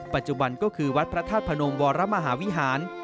ปัจจุบันก็คือวัดพระธาตุพนมวรมหาวิหาร